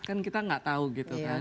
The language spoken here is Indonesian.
kan kita nggak tahu gitu kan